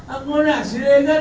aku anak siregar